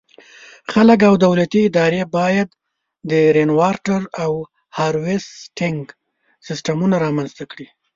خلک او دولتي ادارې باید د “Rainwater Harvesting” سیسټمونه رامنځته کړي.